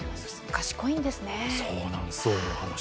賢いんですね。